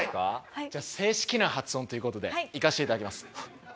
じゃあ正式な発音という事でいかせて頂きます。